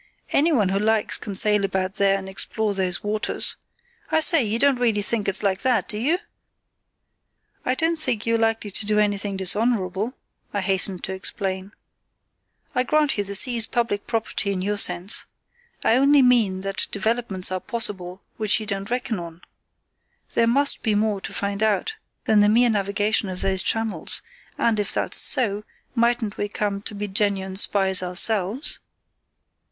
"Anyone who likes can sail about there and explore those waters. I say, you don't really think it's like that, do you?" "I don't think you're likely to do anything dishonourable," I hastened to explain. "I grant you the sea's public property in your sense. I only mean that developments are possible, which you don't reckon on. There must be more to find out than the mere navigation of those channels, and if that's so, mightn't we come to be genuine spies ourselves?"